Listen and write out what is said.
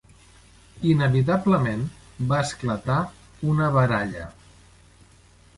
Inevitablement va esclatar una baralla.